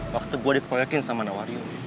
waktu gue dikroyekin sama nawaryo